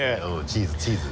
チーズチーズ！